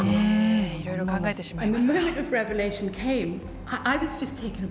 いろいろ考えてしまいます。